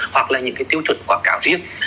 hoặc là những cái tiêu chuẩn quảng cáo riêng